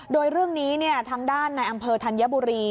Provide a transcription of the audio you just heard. โดยเรื่องนี้ทางด้านในอำเภอธัญบุรี